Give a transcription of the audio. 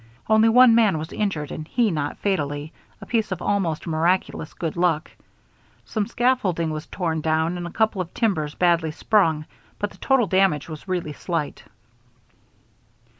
Only one man was injured and he not fatally, a piece of almost miraculous good luck. Some scaffolding was torn down and a couple of timbers badly sprung, but the total damage was really slight.